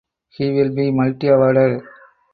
He will be multi awarded.